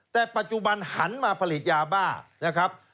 แต่ปัจจุบันหันมาผลิตยาบ้านะครับ